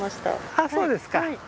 あっそうですか。